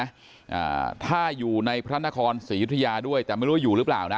อ่าถ้าอยู่ในพระนครศรียุธยาด้วยแต่ไม่รู้ว่าอยู่หรือเปล่านะ